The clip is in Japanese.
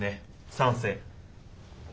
賛成。